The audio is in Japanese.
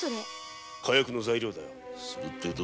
火薬の材料だよ。